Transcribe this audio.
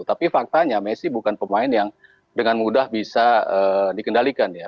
tapi faktanya messi bukan pemain yang dengan mudah bisa dikendalikan ya